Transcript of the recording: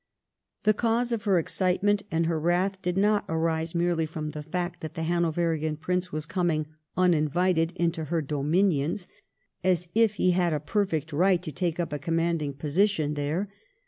The cause of her excitement and her wrath did not arise merely from the idea that the Hanoverian Prince was coming uninvited into her dominions, as if he had a perfect right to take up a command ing position there.